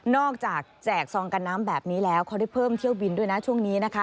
จากแจกซองกันน้ำแบบนี้แล้วเขาได้เพิ่มเที่ยวบินด้วยนะช่วงนี้นะคะ